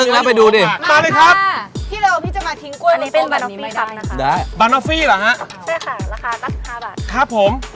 จะได้ทั้งหมด๕ถ้วยนะครับ